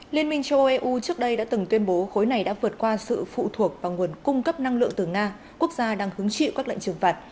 liên minh châu âu eu trước đây đã từng tuyên bố khối này đã vượt qua sự phụ thuộc vào nguồn cung cấp năng lượng từ nga quốc gia đang hứng chịu các lệnh trừng phạt